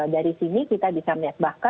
dari sini kita bisa melihat